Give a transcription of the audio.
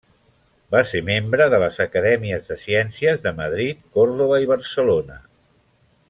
Va ser membre de les Acadèmies de Ciències de Madrid, Còrdova i Barcelona.